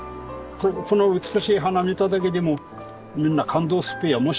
美しい花見ただけでもみんな感動すっぺや。